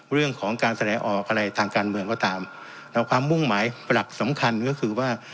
เรื่องของการแสดงออกอะไรทางการเมืองก็ตามแนวความมุ่งหมายหลักสำคัญก็คือว่า